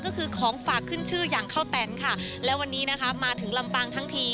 ก็คือของฝากขึ้นชื่ออย่างข้าวแตนค่ะและวันนี้นะคะมาถึงลำปางทั้งที